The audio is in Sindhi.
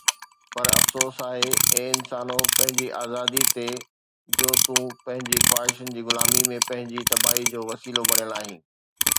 پر افسوس آهي اي انسانو پنهنجي آزاديءَ تي جو تون پنهنجين خواهشن جي غلاميءَ ۾ پنهنجي تباهيءَ جو وسيلو بڻيل آهين.